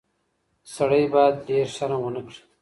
سړی باید ډیر شرم ونه کړي.